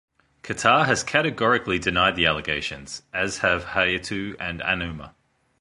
Qatar has categorically denied the allegations, as have Hayatou and Anouma.